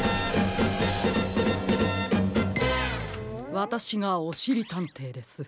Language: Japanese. ⁉わたしがおしりたんていです。